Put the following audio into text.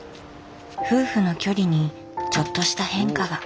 夫婦の距離にちょっとした変化が。